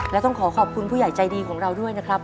และต้องขอขอบคุณผู้ใหญ่ใจดีของเราด้วยนะครับ